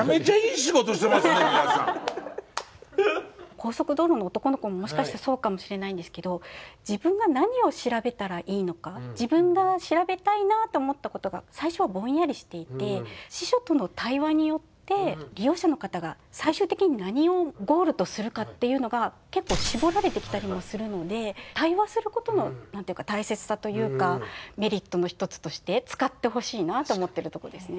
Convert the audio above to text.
高速道路の男の子ももしかしたらそうかもしれないんですけど司書との対話によって利用者の方が最終的に何をゴールとするかっていうのが結構絞られてきたりもするので対話することの何て言うか大切さというかメリットの一つとして使ってほしいなと思ってるとこですね。